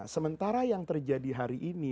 sementara yang terjadi hari ini